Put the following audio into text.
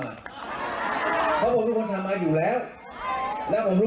อ้าวลูกตัวชิ้นแล้ว